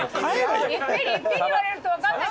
一遍に言われると分かんない。